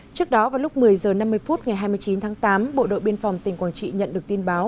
trước đó vào lúc một mươi h năm mươi phút ngày hai mươi chín tháng tám bộ đội biên phòng tỉnh quảng trị nhận được tin báo